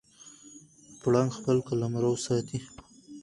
پړانګ خپل قلمرو ساتي.